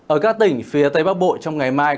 ở các tỉnh phía tây bắc bộ trong ngày mai